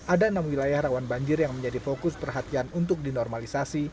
ada enam wilayah rawan banjir yang menjadi fokus perhatian untuk dinormalisasi